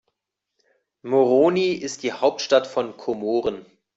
Moroni ist die Hauptstadt von Komoren.